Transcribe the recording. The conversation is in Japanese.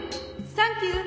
サンキュー。